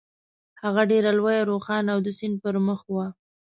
هغه ډېره لویه، روښانه او د سیند پر مخ وه.